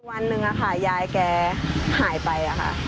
วันหนึ่งยายแกหายไป